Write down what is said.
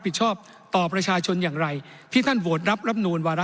ผิดชอบต่อประชาชนอย่างไรที่ท่านโหวตรับรำนูลวาระ